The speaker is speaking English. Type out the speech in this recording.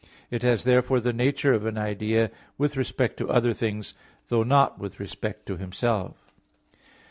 It has therefore the nature of an idea with respect to other things; though not with respect to Himself.